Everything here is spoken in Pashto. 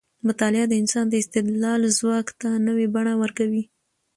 مطالعه د انسان د استدلال ځواک ته نوې بڼه ورکوي.